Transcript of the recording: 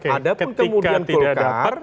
ada pun kemudian golkar